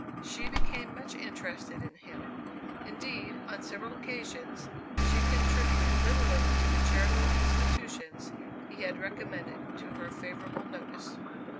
She became much interested in him. Indeed, on several occasions she contributed liberally to the charitable institutions he had recommended to her favorable notice.